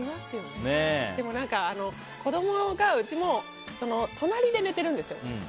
でも、子供がうちも隣で寝てるんですよ。